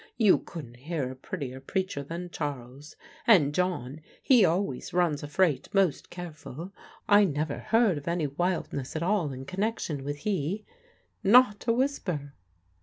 You couldn' hear a prettier preacher than Charles. And John, he always runs a freight most careful. I never heard of any wildness at all in connection with he not a whisper."